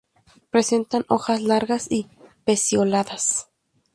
Presentan hojas largas y pecioladas.